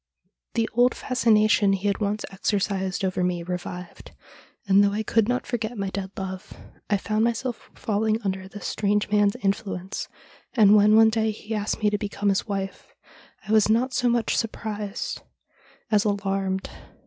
The old fascination he had once exercised over me revived, and, though I could not forget my dead love, I found myself falling under this strange man's influence, and, when one day he asked me to become his wife, I was not so much surprised as alarmed.